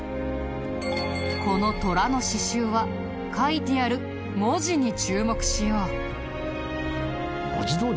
この虎の刺繍は書いてある文字に注目しよう。